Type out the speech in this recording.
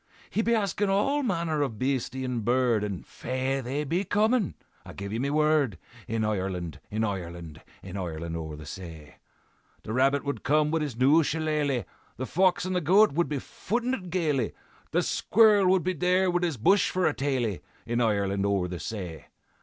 "'He be askin' all manner of beastie and bird, And faix! they be comin', I give ye me word; In Ireland, in Ireland, In Ireland o'er the say, The rabbit would come wid his new shillelagh, The fox and the goat would be footin' it gaily, The squirrel be there wid his bush for a taily, In Ireland o'er the say.